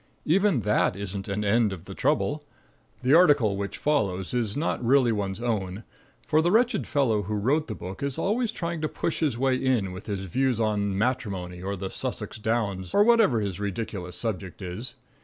Even that isn't an end of the trouble. The article which follows is not really one's own, for the wretched fellow who wrote the book is always trying to push his way in with his views on matrimony, or the Sussex downs, or whatever his ridiculous subject is.